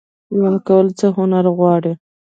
ژوند کول څه هنر غواړي؟